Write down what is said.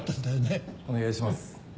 お願いします。